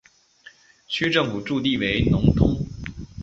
区政府驻地为农通。